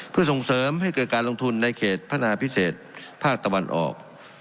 เพื่อส่งเสริมให้เกิดการลงทุนในเขตพัฒนาพิเศษภาคตะวันออก